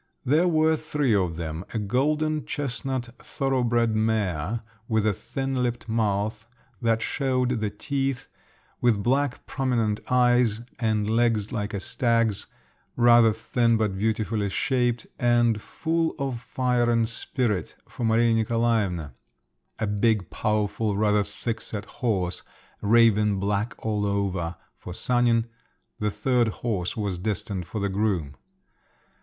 There were three of them, a golden chestnut thorough bred mare, with a thin lipped mouth, that showed the teeth, with black prominent eyes, and legs like a stag's, rather thin but beautifully shaped, and full of fire and spirit, for Maria Nikolaevna; a big, powerful, rather thick set horse, raven black all over, for Sanin; the third horse was destined for the groom.